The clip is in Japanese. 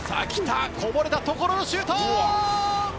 来た、こぼれたところシュート！